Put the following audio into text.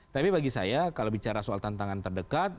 tapi bagi saya kalau bicara soal tantangan terdekat